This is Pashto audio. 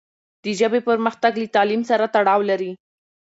د ژبې پرمختګ له تعلیم سره تړاو لري.